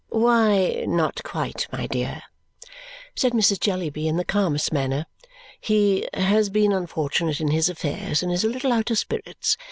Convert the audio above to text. "Why, not quite, my dear," said Mrs. Jellyby in the calmest manner. "He has been unfortunate in his affairs and is a little out of spirits.